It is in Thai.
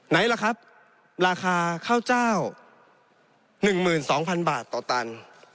ไหนล่ะครับราคาข้าวเจ้า๑๒๐๐๐บาทต่อตัน